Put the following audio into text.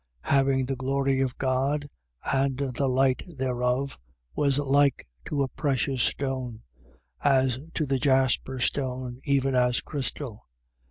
Having the glory of God, and the light thereof was like to a precious stone, as to the jasper stone even as crystal.